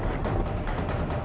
tuhan aku ingin menang